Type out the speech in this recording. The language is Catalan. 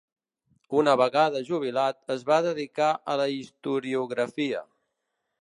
Una vegada jubilat es va dedicar a la historiografia.